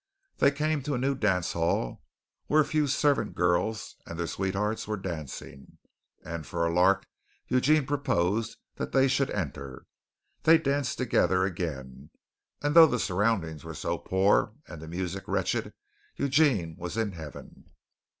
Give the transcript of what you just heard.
They came to a new dance hall, where a few servant girls and their sweethearts were dancing, and for a lark Eugene proposed that they should enter. They danced together again, and though the surroundings were so poor and the music wretched, Eugene was in heaven.